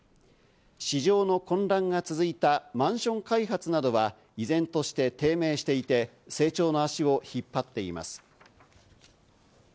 市場の混乱が続いたマンション開発などは依然として低迷していて、成長の足を引っ張っています。